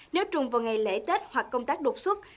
nếu trùng vào ngày lễ tết hoặc công tác đột xuất